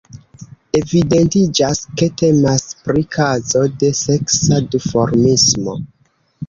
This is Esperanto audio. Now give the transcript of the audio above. Evidentiĝas ke temas pri kazo de seksa duformismo.